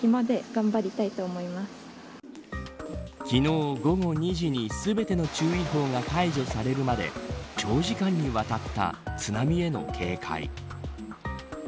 昨日、午後２時に全ての注意報が解除されるまで長時間にわたった津波への警戒。